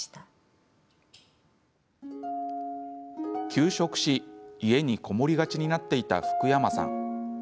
休職し、家に籠もりがちになっていた福山さん。